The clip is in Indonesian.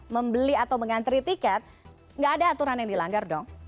membeli atau mengantri tiket nggak ada aturan yang dilanggar dong